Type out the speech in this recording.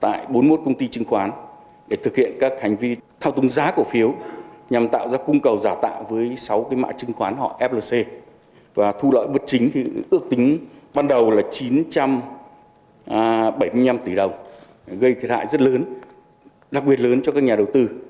tại bốn mươi một công ty chứng khoán để thực hiện các hành vi thao túng giá cổ phiếu nhằm tạo ra cung cầu giả tạo với sáu cái mã chứng khoán họ flc và thu lợi bất chính ước tính ban đầu là chín trăm bảy mươi năm tỷ đồng gây thiệt hại rất lớn đặc biệt lớn cho các nhà đầu tư